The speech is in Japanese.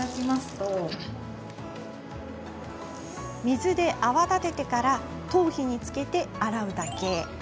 水で泡立ててから頭皮につけて洗うだけ。